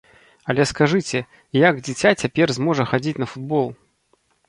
Але скажыце, як дзіця цяпер зможа хадзіць на футбол?